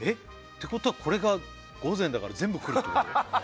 てことはこれが御膳だから全部来るってこと？